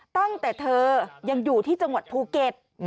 ตั้งแต่เธอยังอยู่ที่จังหวัดภูเก็ต